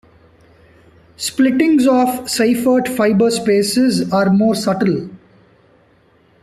Splittings of Seifert fiber spaces are more subtle.